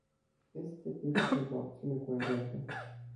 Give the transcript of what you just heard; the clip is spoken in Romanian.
Este timpul pentru o acțiune coerentă!